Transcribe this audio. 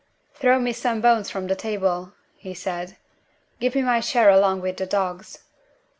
"Throw me some bones from the table," he said. "Give me my share along with the dogs."